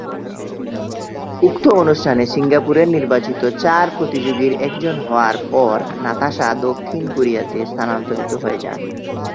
উক্ত অনুষ্ঠানে সিঙ্গাপুরের নির্বাচিত চার প্রতিযোগীর একজন হওয়ার পর নাতাশা দক্ষিণ কোরিয়াতে স্থানান্তরিত হয়ে যান।